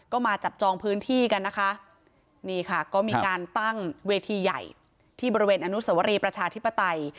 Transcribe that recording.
ก็มาจับจองพื้นที่กันนะคะนี่ค่ะก็มีการตั้งเวทีใหญ่ที่บริเวณอนุสวรีประชาธิปไตย